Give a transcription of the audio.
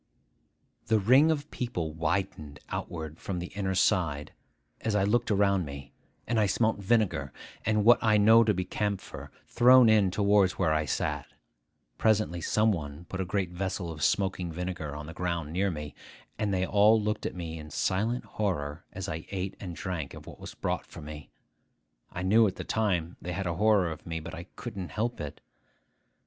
The ring of people widened outward from the inner side as I looked around me; and I smelt vinegar, and what I know to be camphor, thrown in towards where I sat. Presently some one put a great vessel of smoking vinegar on the ground near me; and then they all looked at me in silent horror as I ate and drank of what was brought for me. I knew at the time they had a horror of me, but I couldn't help it.